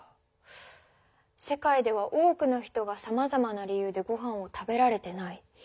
世界では多くの人がさまざまな理由でごはんを食べられてない。